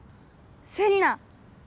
セリナ。